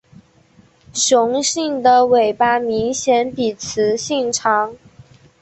雄性的尾巴明显比雌性长。